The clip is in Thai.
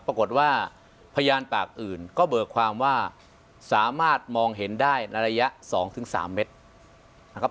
ปรากฏว่าพยานปากอื่นก็เบิกความว่าสามารถมองเห็นได้ในระยะ๒๓เมตรนะครับ